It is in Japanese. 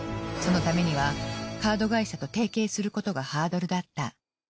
そのためにはカード会社と提携することがハードルだった。